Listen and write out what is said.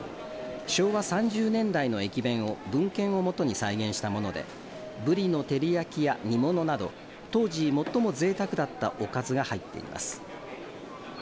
昭和３０年代の駅弁を文献を基に再現したものでぶりの照り焼きや煮物など当時、最もぜいたくだったおかずが入っています。